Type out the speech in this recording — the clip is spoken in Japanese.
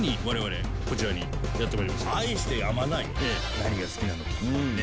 何が好きなのか。